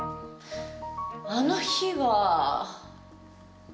あの日は。